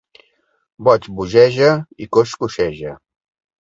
Boig bogeja i coix coixeja.